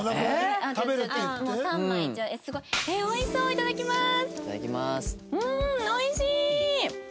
いただきます。